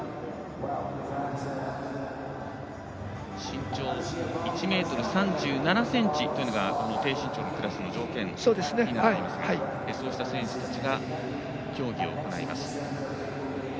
身長１ｍ３７ｃｍというのが低身長のクラスの条件になっていますがそうした選手たちが競技を行います。